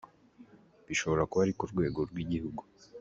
Bishobora kuba ari ku rwego rw’igihugu.